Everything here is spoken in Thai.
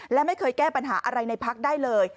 และไม่เคยแก้ปัญหาอะไรในพักได้เลย